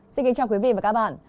xin kính chào quý vị và các bạn